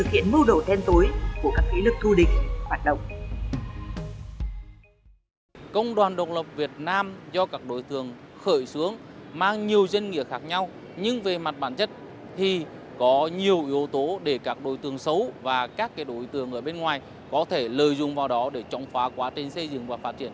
hoặc thực chất đội lốp nguồn ngũ công nhân để thực hiện mưu đổ đen tối của các kế lực thu định hoạt động